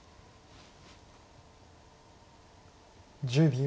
１０秒。